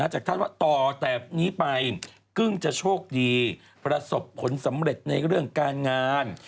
จากท่านว่าต่อแต่นี้ไปกึ้งจะโชคดีประสบผลสำเร็จในเรื่องการงาน